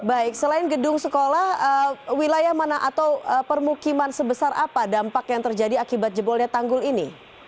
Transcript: baik selain gedung sekolah wilayah mana atau permukiman sebesar apa dampak yang terjadi akibat jebolnya tanggul ini